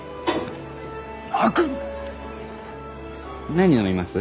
何飲みます？